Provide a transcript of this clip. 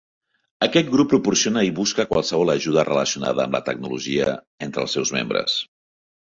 Aquest grup proporciona i busca qualsevol ajuda relacionada amb la tecnologia entre els seus membres.